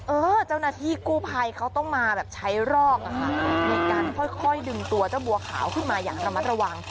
เจ้าหน้าที่กู้ภัยเขาต้องมาแบบใช้รอกอะค่ะในการค่อยดึงตัวเจ้าบัวขาวขึ้นมาอย่างระมัดระวัง